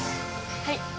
はい。